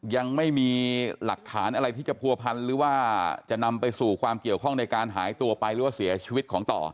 ยังไม่มีหลักฐานอะไรที่จะผัวพันหรือว่าจะนำไปสู่ความเกี่ยวข้องในการหายตัวไปหรือว่าเสียชีวิตของต่อ